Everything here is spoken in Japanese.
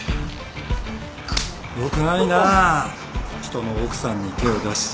良くないなあ人の奥さんに手を出しちゃ。